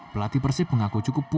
pelati persib mengaku cukup berhasil